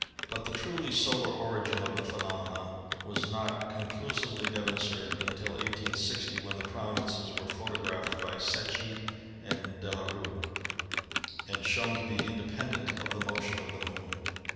But the truly solar origin of the phenomena was not con clusively demonstrated until i860, when the prominences were photographed by Secchi and De la Rue, and shown to be independent of the motion of the Moon.